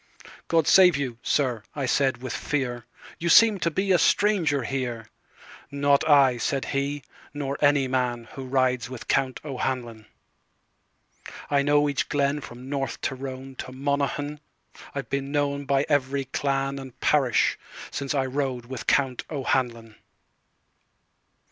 "God save you, Sir," I said with fear,"You seem to be a stranger here.""Not I," said he, "nor any manWho rides with Count O'Hanlon."I know each glen from North TyroneTo Monaghan, and I've been knownBy every clan and parish, sinceI rode with Count O'Hanlon."